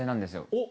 おっ。